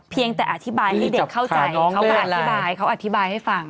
เพียงแต่อธิบายให้เด็กเข้าใจเขาอธิบายให้ฟัง